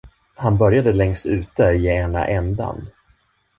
Han började längst ute i ena ändan.